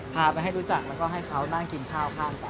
พาไปให้รู้จักแล้วก็ให้เขานั่งกินข้าวข้ามกัน